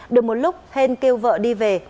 được một lúc hên kêu vợ đi về